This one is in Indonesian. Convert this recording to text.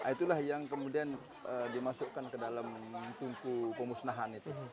itulah yang kemudian dimasukkan ke dalam tungku pemusnahan itu